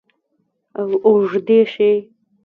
او اوږدې شي